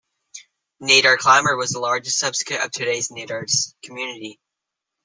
Nadar climber was the largest subsect of today's Nadar community.